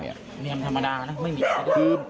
เนี่ยมธรรมดานะไม่มี